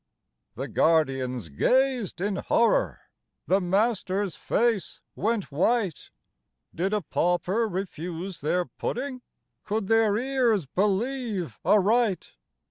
The guardians gazed in horror. The master's face went white ;" Did a pauper refuse their pudding ?' Could their ears believe aright